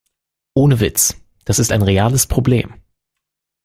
Ohne Witz, das ist ein reales Problem.